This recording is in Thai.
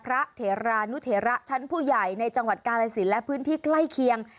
เถรานุเถระชั้นผู้ใหญ่ในจังหวัดกาลสินและพื้นที่ใกล้เคียง